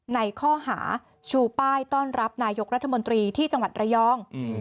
ในข้อหาชูป้ายต้อนรับนายกรัฐมนตรีที่จังหวัดระยอง